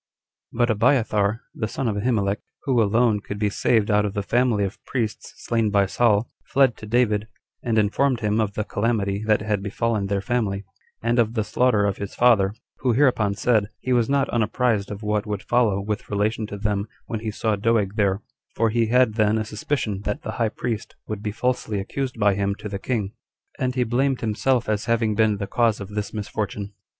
8. But Abiathar, the son of Ahimelech, who alone could be saved out of the family of priests slain by Saul, fled to David, and informed him of the calamity that had befallen their family, and of the slaughter of his father; who hereupon said, He was not unapprised of what would follow with relation to them when he saw Doeg there; for he had then a suspicion that the high priest would be falsely accused by him to the king, and he blamed himself as having been the cause of this misfortune.